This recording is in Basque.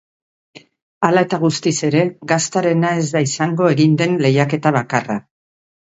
Hala eta guztiz ere, gaztarena ez da izango egingo den lehiaketa bakarra.